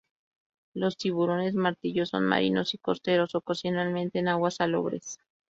Los tiburones martillo son marinos y costeros, ocasionalmente en aguas salobres.